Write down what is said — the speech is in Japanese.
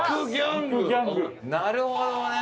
なるほどね。